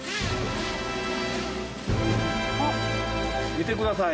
見てください。